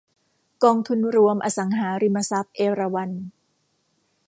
กองทุนรวมอสังหาริมทรัพย์เอราวัณ